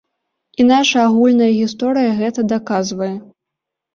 І наша агульная гісторыя гэта даказвае.